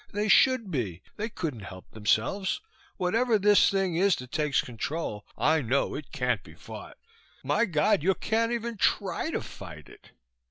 They should be. They couldn't help themselves. Whatever this thing is that takes control, I know it can't be fought. My God, you can't even try to fight it!"